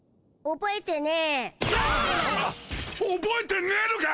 覚えてねーのか？